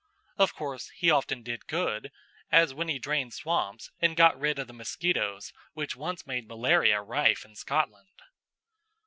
Of course, he often did good, as when he drained swamps and got rid of the mosquitoes which once made malaria rife in Scotland.